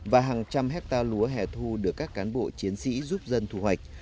và hàng trăm hectare lúa hẻ thu được các cán bộ chiến sĩ giúp dân thu hoạch